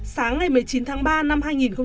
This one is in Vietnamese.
sáng ngày một mươi chín tháng ba năm hai nghìn hai mươi